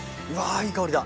いい香りだ。